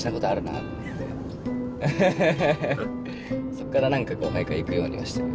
そっから何かこう毎回行くようにはしてる。